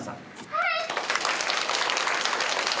はい。